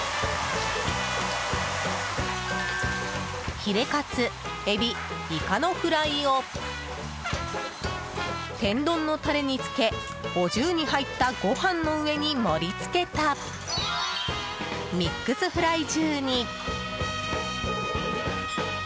ヒレカツ、エビ、イカのフライを天丼のタレにつけお重に入ったご飯の上に盛り付けたミックスフライ重に。